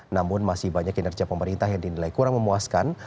namun masih banyak kinerja pemerintah yang dinilai kurang memuaskan